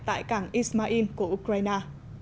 tại cảng ismail của ukraine